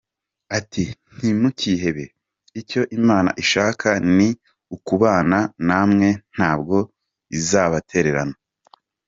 Ati “Ntimukihebe, icyo Imana ishaka ni ukubana namwe ntabwo izabatererana”.